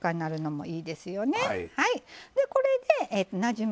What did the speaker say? はい。